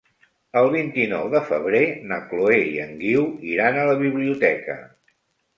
El vint-i-nou de febrer na Chloé i en Guiu iran a la biblioteca.